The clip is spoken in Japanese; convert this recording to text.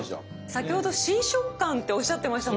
先ほど新食感っておっしゃってましたもんね。